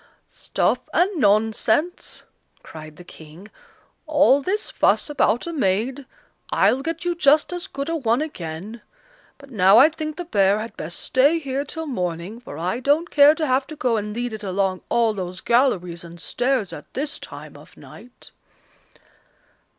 "Stuff and nonsense," cried the King; "all this fuss about a maid! I'll get you just as good a one again. But now I think the bear had best stay here till morning, for I don't care to have to go and lead it along all those galleries and stairs at this time of night."